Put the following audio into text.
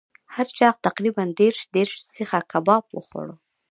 هر چا تقریبأ دېرش دېرش سیخه کباب وخوړلو.